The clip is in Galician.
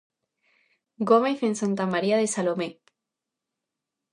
Gómez en Santa María de Salomé.